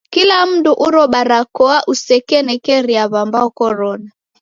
Kula mundu uro barakoa usekenekeria w'ambao korona.